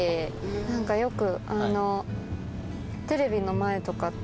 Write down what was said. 何かよく。